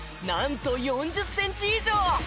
なんと４０センチ以上！